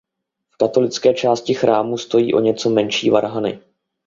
V katolické části chrámu stojí o něco menší varhany.